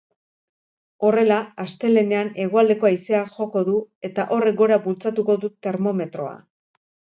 Horrela, astelehenean hegoaldeko haizeak joko du eta horrek gora bultzatuko du termometroa.